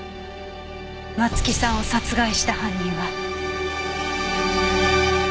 松木さんを殺害した犯人は。